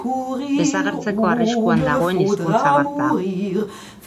Desagertzeko arriskuan dagoen hizkuntza bat da.